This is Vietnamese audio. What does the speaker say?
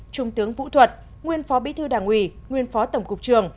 trung tướng vũ thuật nguyên phó bí thư đảng ủy nguyên phó tổng cục trường